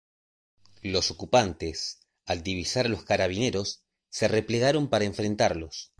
Los ocupantes, al divisar a los carabineros, se replegaron para enfrentarlos.